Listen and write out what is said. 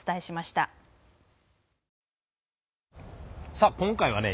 さあ今回はね